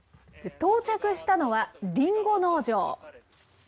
到着したのは、リンゴ農場。